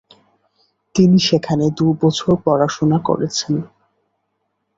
তিনি সেখানে দু'বছর পড়াশোনা করেছেন।